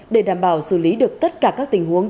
để đảm bảo xử lý được tất cả các tình huống